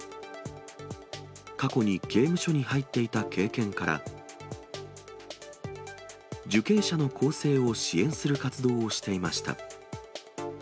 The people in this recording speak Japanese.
過去に刑務所に入っていた経験から、受刑者の更生を支援する活動をしていました。